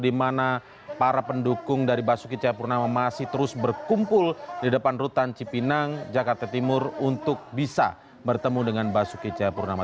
di mana para pendukung dari basuki cahayapurnama masih terus berkumpul di depan rutan cipinang jakarta timur untuk bisa bertemu dengan basuki cahayapurnama